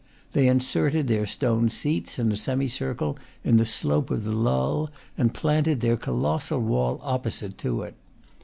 They inserted their stone seats, in a semicircle, in the slope of the lull, and planted their colossal wall opposite to it.